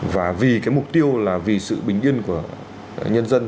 và vì cái mục tiêu là vì sự bình yên của nhân dân